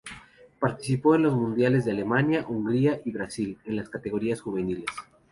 Participó en los mundiales de Alemania, Hungría y Brasil en las categorías juveniles.